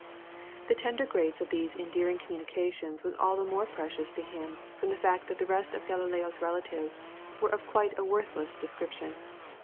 The tender grace of these endearing communications was all the more precious to him from the fact that the rest of Galileo's relatives were of quite a worthless description.